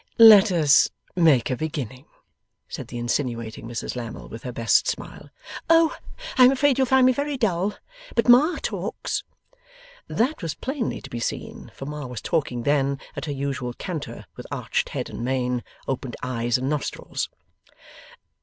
'Let us make a beginning,' said the insinuating Mrs Lammle, with her best smile. 'Oh! I am afraid you'll find me very dull. But Ma talks!' That was plainly to be seen, for Ma was talking then at her usual canter, with arched head and mane, opened eyes and nostrils.